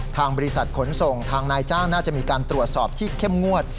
ทางบริษัทขนส่งทางนายจ้างน่าจะมีการตรวจสอบที่เข้มงวด